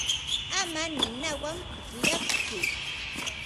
Ama ninawan pukllatsu.